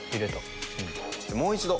もう一度！